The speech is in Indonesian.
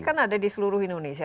nah ini kan ada di seluruh indonesia